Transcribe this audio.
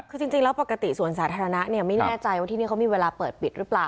คือจริงแล้วปกติสวนสาธารณะเนี่ยไม่แน่ใจว่าที่นี่เขามีเวลาเปิดปิดหรือเปล่า